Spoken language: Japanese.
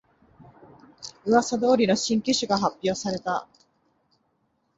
うわさ通りの新機種が発表された